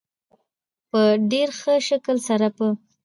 په ډېر ښه شکل سره په